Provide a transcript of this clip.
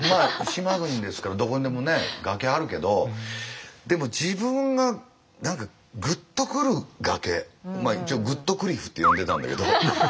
島国ですからどこにでも崖あるけどでも自分が何かグッとくる崖一応グットクリフって呼んでたんだけど。